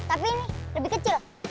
tapi ini lebih kecil